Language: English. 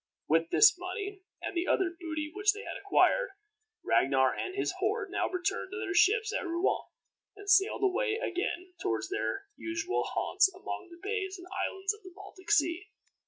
With this money and the other booty which they had acquired, Ragnar and his horde now returned to their ships at Rouen, and sailed away again toward their usual haunts among the bays and islands of the Baltic Sea.